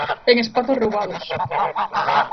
En Espazos roubados.